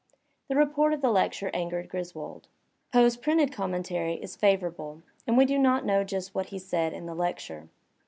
The report of the lecture angered Griswold. Poe's printed commen tary is favourable, and we do not know just what he said in the lecture.